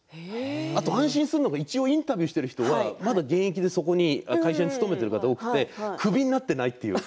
あと安心するのがインタビューしてる人がまだ現役でそこに会社に勤めてる方が多くてクビになっていない。